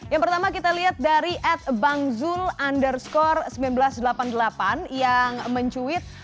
yang pertama kita lihat dari ed bang zul underscore seribu sembilan ratus delapan puluh delapan yang mencuit